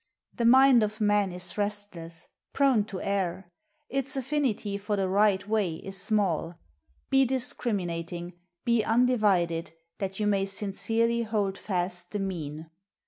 The mind of man is restless, — prone to err; its afl&nity for the right way is small. Be discriminating, be undi vided, that you may sincerely hold fast the Mean.